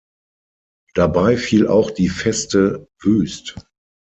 Dabei fiel auch die Feste wüst.